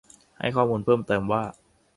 ให้ข้อมูลเพิ่มเติมว่า